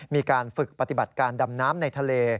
มีการฝึกปฏิบัติการดำน้ำในทะเล